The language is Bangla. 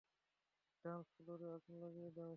ডান্স ফ্লোরে আগুন লাগিয়ে দাও।